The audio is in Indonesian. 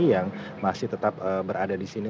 yang masih tetap berada di sini